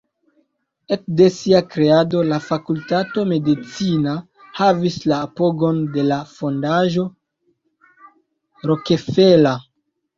Ekde sia kreado, la Fakultato Medicina havis la apogon de la Fondaĵo Rockefeller.